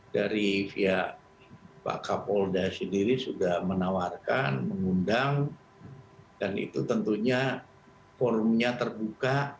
dari pihak pak kapolda sendiri sudah menawarkan mengundang dan itu tentunya forumnya terbuka